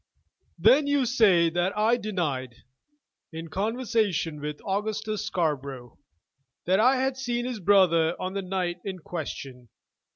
"Then you say that I denied, in conversation with Augustus Scarborough, that I had seen his brother on the night in question.